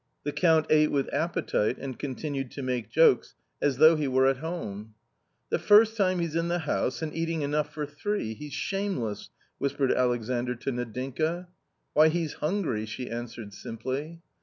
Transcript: The Count ate with appetite and continued to make jokes, as though he were at home. " The first time he's in the house and eating enough for three, he's shameless !" whispered Alexandr to Nadinka. " Why, he's hungry I " she answered simply.